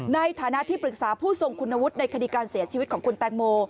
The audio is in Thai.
ในฐานะที่ปรึกษาผู้ทรงคุณวุฒิในคดีการเสียชีวิตของคุณแตงโม